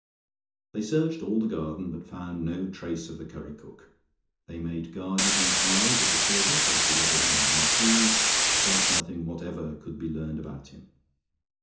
They searched all the garden, but found no trace of the curry cook: they made guarded enquiries of the servants as to whether he had been seen, but nothing whatever could be learned about him.